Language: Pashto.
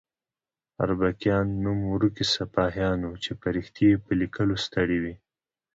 اربکیان نوم ورکي سپاهیان وو چې فرښتې یې په لیکلو ستړې وي.